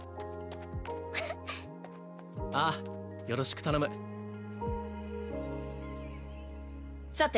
フフッああよろしく頼むさて